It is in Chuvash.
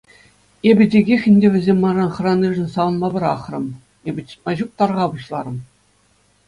Эпӗ текех ӗнтӗ вӗсем манран хӑранишӗн савӑнма пӑрахрӑм — эпӗ чӑтма ҫук тарӑха пуҫларӑм.